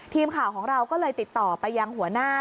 ทีมข่าวของเราก็เลยติดต่อไปยังหัวหน้า